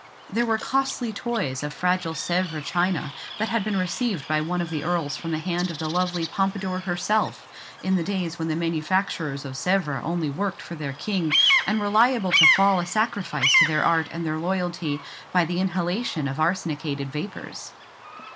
There were costly toys of fragile Sèvres china that had been received by one of the earls from the hand of the lovely Pompadour herself in the days when the manufacturers of Sèvres only worked for their king, and were liable to fall a sacrifice to their art and their loyalty by the inhalation of arsenicated vapours.